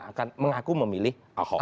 akan mengaku memilih aho